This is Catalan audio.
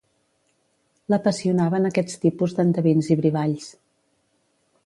L'apassionaven aquests tipus d'endevins i brivalls.